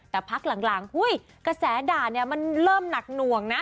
แต่พักหลังกระแสด่าเนี่ยมันเริ่มหนักหน่วงนะ